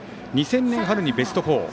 ２０００年春にベスト４。